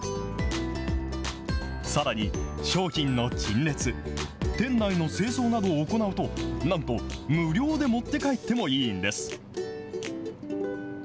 さらに、商品の陳列、店内の清掃などを行うと、なんと無料で持って帰ってもいいんです。